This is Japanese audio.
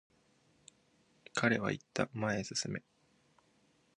彼は言った、前へ進め。